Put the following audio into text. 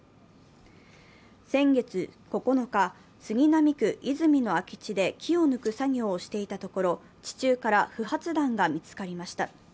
先月９日、杉並区和泉の空き地で木を抜く作業をしていたところ地中から不発弾が見つかりました。